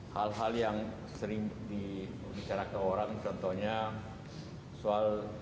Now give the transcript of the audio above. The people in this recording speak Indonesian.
hal hal yang sering dibicarakan orang contohnya soal